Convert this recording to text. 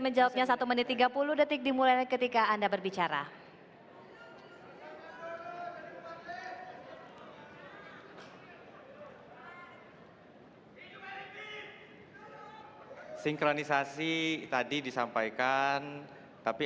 menjawabnya satu menit tiga puluh detik dimulai ketika anda berbicara sinkronisasi tadi disampaikan tapi